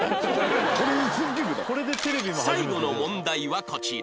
最後の問題はこちら